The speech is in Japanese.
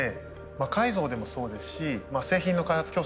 魔改造でもそうですし製品の開発